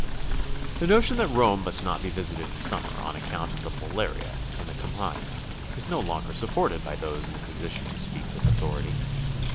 The notion that Rome must not be visited in summer on account of the malaria in the Campagna is no longer supported by those in a position to speak with authority.